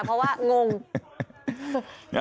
เพราะว่างงมากนะครับ